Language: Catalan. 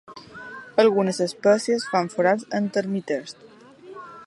Algunes espècies fan forats en termiters.